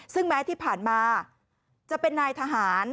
ซึ่งแม้ที่ผ่านมาจะเป็นนายทหาร